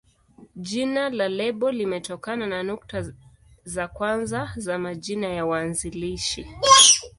Jina la lebo limetokana na nukta za kwanza za majina ya waanzilishi.